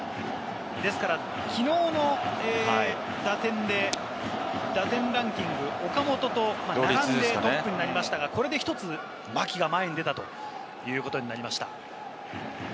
ですからきのうの打点で、打点ランキング、岡本と並んでトップになりましたが、これで一つ牧が前に入れたということになりました。